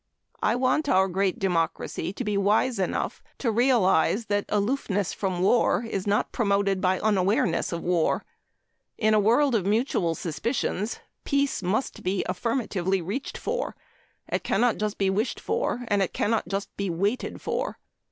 I want our great democracy to be wise enough to realize that aloofness from war is not promoted by unawareness of war. In a world of mutual suspicions, peace must be affirmatively reached for. It cannot just be wished for. And it cannot just be waited for.